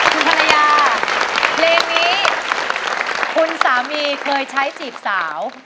คุณภรรยาเพลงนี้คุณสามีเคยใช้จีบสาว